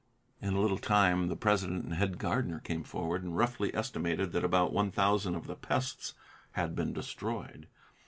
In a little time the president and head gardener came forward, and roughly estimated that about one thousand of the pests had been destroyed.